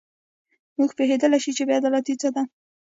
موږ پوهېدلای شو چې بې عدالتي څه ده.